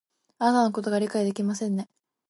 あなたのことを理解ができませんね